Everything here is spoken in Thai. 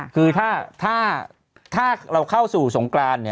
คือถ้าเราเข้าสู่สงกราน